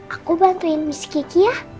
aku bantuin miss kiki ya